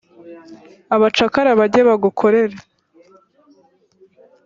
abacakara bajye bagukorera.